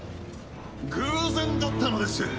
偶然だったのです。